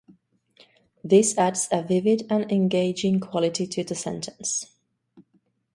This adds a vivid and engaging quality to the sentence.